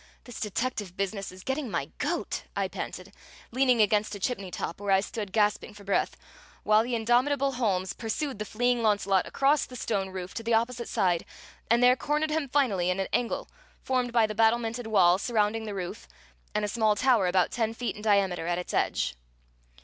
This detective business is getting my goat!" I panted, leaning against a chimney top where I stood gasping for breath, while the indomitable Holmes pursued the fleeing Launcelot across the stone roof to the opposite side, and there cornered him finally in an angle formed by the battlemented wall surrounding the roof and a small tower about ten feet in diameter at its edge.